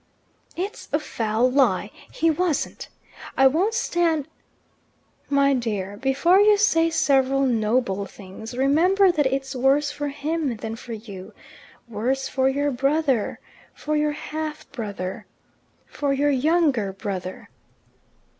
"It's a foul lie! He wasn't I won't stand " "My dear, before you say several noble things, remember that it's worse for him than for you worse for your brother, for your half brother, for your younger brother."